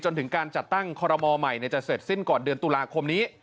จนถึงการจัดตั้งคอรมอลใหม่จะเสร็จสิ้นก่อนเดือนตุลาคมนี้